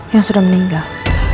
yang sudah meninggal